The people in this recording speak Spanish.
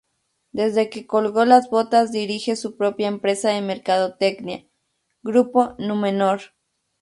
Desde que colgó las botas dirige su propia empresa de mercadotecnia: "Grupo Númenor".